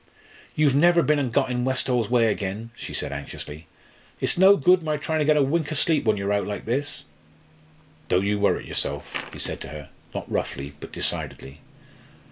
"You've never been and got in Westall's way again?" she said anxiously. "It's no good my tryin' to get a wink o' sleep when you're out like this." "Don't you worrit yourself," he said to her, not roughly, but decidedly.